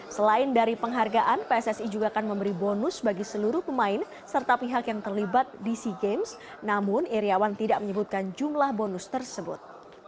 selain dari penghargaan pssi juga akan memberi bonus bagi seluruh pemain serta pihak yang terlibat di sea games namun iryawan tidak menyebutkan jumlah bonus tersebut